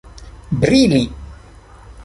brili